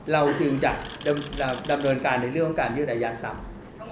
เราจึงจะดำเนินการในเรื่องของการยืดอายาซ้ำ